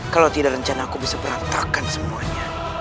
kalau tidak rencana aku bisa berantakan semuanya